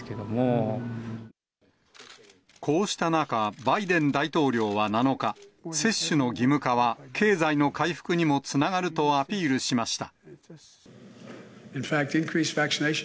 こうした中、バイデン大統領は７日、接種の義務化は経済の回復にもつながるとアピールしました。